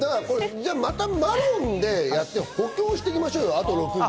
じゃあ、またマロンでやって補強していきましょうよ、あと６人。